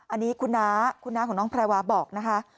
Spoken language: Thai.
อันนี้คุณน้าคุณน้าของน้องแพรวาบอกนะคะ